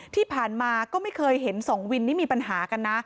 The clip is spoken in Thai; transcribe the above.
ที่ผ่านมาก็ไม่เคยเห็นสองวินนี่มีปัญหากันนะ